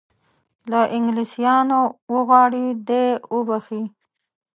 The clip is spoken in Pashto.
له انګلیسیانو وغواړي دی وبخښي.